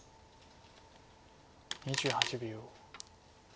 ２８秒。